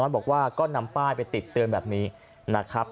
น้องกุ้งน้อยบอกว่าก็นำป้ายไปติดเตือนแบบนี้นะครับ